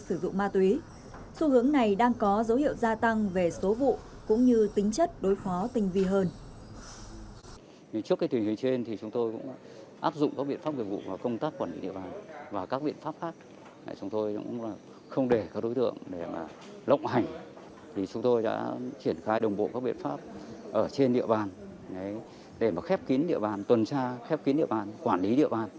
sử dụng ma túy xu hướng này đang có dấu hiệu gia tăng về số vụ cũng như tính chất đối phó tình vi hơn